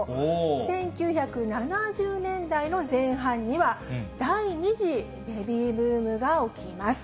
１９７０年代の前半には、第２次ベビーブームが起きます。